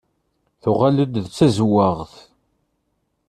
Tettuɣal-d d tazewwaɣt.